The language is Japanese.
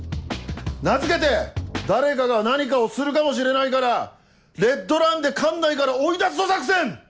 名付けて「誰かが何かをするかもしれないからレッドランで管内から追い出すぞ作戦」！